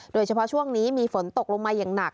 โดยเฉพาะช่วงนี้มีฝนตกลงมาอย่างหนัก